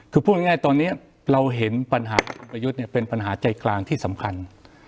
คือพูดง่ายตอนนี้เราเห็นปัญหาคุณประยุทธ์เป็นปัญหาใจกลางที่สำคัญ